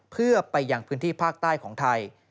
เพื่อไปยังพื้นที่ภาคใต้ของไทย